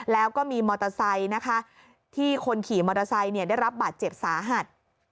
แล้วก็มีมอเตอร์ไซค์นะคะที่คนขี่มอเตอร์ไซค์ได้รับบาดเจ็บสาหัส